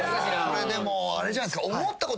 これでもあれじゃないっすか。